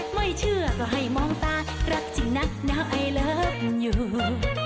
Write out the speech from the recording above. ไม่เชื่อก็ให้มองตารักจริงนักหนาวไอเลิฟอยู่